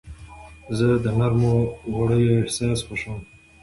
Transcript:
زه د نرمو وړیو احساس خوښوم.